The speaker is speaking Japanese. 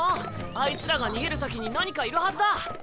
あいつらが逃げる先に何かいるはずだ。